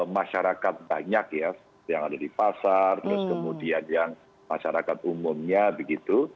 masyarakat banyak ya yang ada di pasar terus kemudian yang masyarakat umumnya begitu